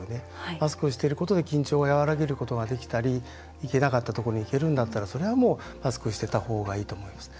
マスクをしていることで緊張を和らげることができたり行けなかったところに行けるんだったらそれはもうマスクをしてたほうがいいと思うんです。